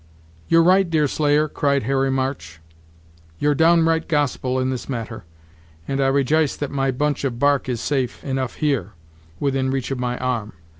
"You're right, Deerslayer," cried Harry March; "you're downright Gospel in this matter, and I rej'ice that my bunch of bark is safe enough here, within reach of my arm.